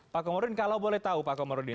pak komarudin kalau boleh tahu pak komarudin